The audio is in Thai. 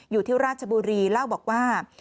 อยู่ที่ราชบุรีเล่าบอกว่า